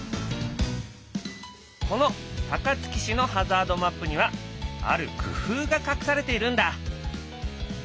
この高槻市のハザードマップにはある工夫が隠されているんだ。